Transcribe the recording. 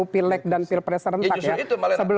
pelek dan pilpres rentak ya